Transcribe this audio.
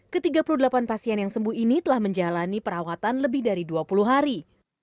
ketiga puluh delapan pasien yang sembuh ini telah menjalani perawatan lebih dari dua puluh hari